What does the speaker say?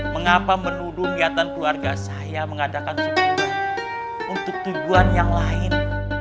mengapa menuduh niatan keluarga saya mengadakan syukuran untuk tujuan yang lain